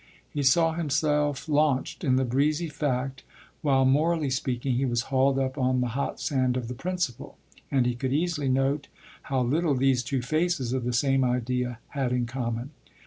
He saw himself launched in the breezy fact while morally speaking he was hauled up on the hot sand of the principle, and he could easily note how little these two faces of the same idea had in common.